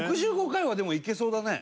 ６５回はでもいけそうだね。